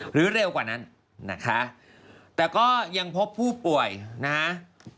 เร็วกว่านั้นนะคะแต่ก็ยังพบผู้ป่วยนะฮะ